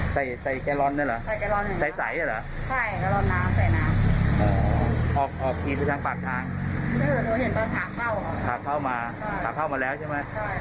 แต่ว่าไม่รู้ไปทำอะไรเห็นเขากี่เข้ามาเห็นเขาบ่อยไหม